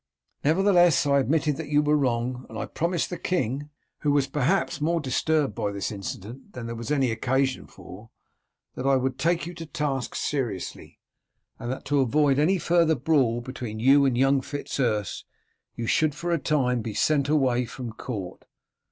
Nevertheless, I admitted that you were wrong, and I promised the king, who was perhaps more disturbed by this incident than there was any occasion for, that I would take you to task seriously, and that to avoid any further brawl between you and young Fitz Urse, you should for a time be sent away from court.